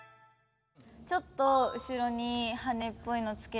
ちょっと後ろに羽根っぽいのつけて。